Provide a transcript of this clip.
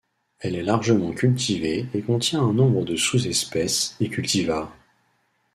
Elle est largement cultivée et contient un nombre de sous-espèces et cultivars.